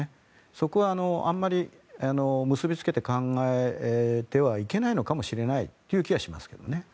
そこはあんまり結びつけて考えてはいけないのかもしれないという気はしますが。